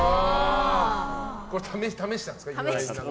これ試したんですか？